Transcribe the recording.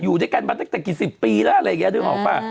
อยู่ด้วยกันมาตั้งแต่กี่สิบปีแล้วอะไรอย่างนี้นึกออกป่ะ